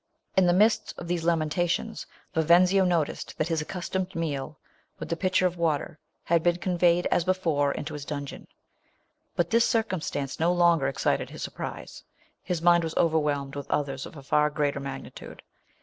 In the midst of these lamentations, Vi venzio noticed that his accustomed meal, with the pitcher of water, had been conveyed, as before, into his dungeon. But this circumstance no longer excited his surprise. His mind was overwhelmed with others of a far greater magnitude.